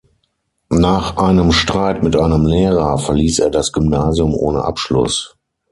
Nach einem Streit mit einem Lehrer verließ er das Gymnasium ohne Abschluss.